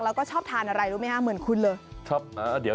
แล้วก็ชอบทานอะไรรู้ไหมฮะเหมือนคุณเลย